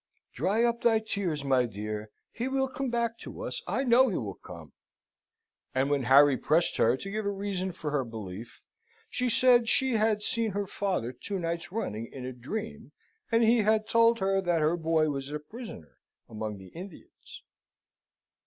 "Dry up thy tears, my dear! He will come back to us, I know he will come." And when Harry pressed her to give a reason for her belief, she said she had seen her father two nights running in a dream, and he had told her that her boy was a prisoner among the Indians.